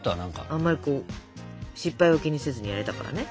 あんまりこう失敗を気にせずにやれたからね。